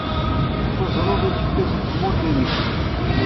Tuzneḍ isefka seg tmurt-nnek.